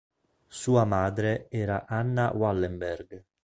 Sua madre era Anna Wallenberg.